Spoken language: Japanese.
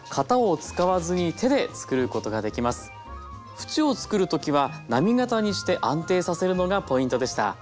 縁をつくる時は波形にして安定させるのがポイントでした。